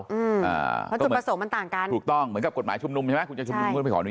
เพราะจุดประสงค์มันต่างกันถูกต้องเหมือนกับกฎหมายชุมนุมใช่ไหม